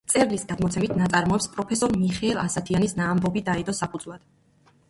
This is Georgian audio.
მწერლის გადმოცემით, ნაწარმოებს პროფესორ მიხეილ ასათიანის ნაამბობი დაედო საფუძვლად.